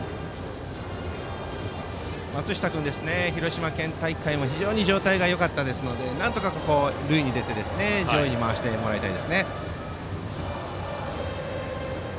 松下君、広島県大会も非常に状態がよかったのでなんとか塁に出て上位に回したいですね。